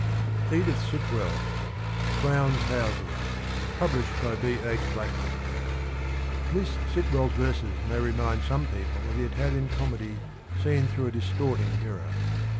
120 Edith Sitwell. CLOWN'S HOUSES. Published by B. II. Blackwell. " Miss Sitwell's verses may remind some people of the Italian Comedy seen through a distorting mirror.